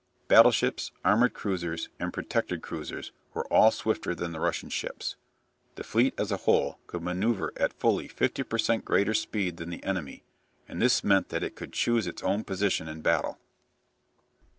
Battleships, armoured cruisers, and protected cruisers were all swifter than the Russian ships. The fleet as a whole could manoeuvre at fully fifty per cent greater speed than the enemy, and this meant that it could choose its own position in battle.